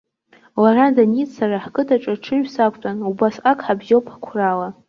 Лара даниз, сара ҳқыҭаҿы аҽыҩ сақәтәан, убасҟак ҳабжьоуп қәрала.